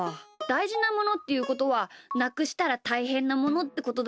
だいじなものっていうことはなくしたらたいへんなものってことだよな。